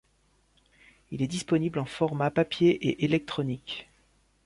Il est disponible en formats papier et électronique.